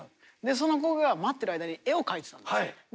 その子が待ってる間に絵を描いてたんです。